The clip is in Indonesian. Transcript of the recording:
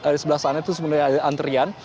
di sebelah sana itu sebenarnya ada antrian